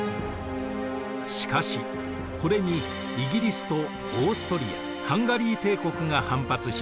しかしこれにイギリスとオーストリア＝ハンガリー帝国が反発します。